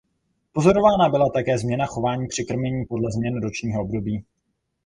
Pozorována byla také změna chování při krmení podle změn ročního období.